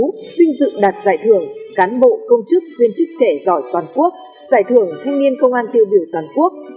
được năm hai nghìn một mươi chín thiếu tá ngo minh tú vinh dự đạt giải thưởng cán bộ công chức chuyên chức trẻ giỏi toàn quốc giải thưởng thanh niên công an tiêu biểu toàn quốc